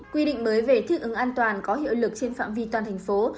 quy định mới về thích ứng an toàn có hiệu lực trên phạm vi toàn thành phố